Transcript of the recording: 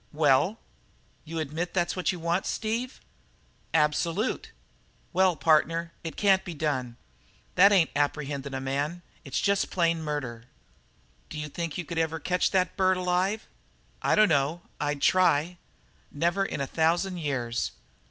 "Well?" "You admit that's what you want, Steve?" "Absolute." "Well, partner, it can't be done. That ain't apprehendin' a man. It's jest plain murder." "D'you think you could ever catch that bird alive?" "Dunno, I'd try." "Never in a thousand years."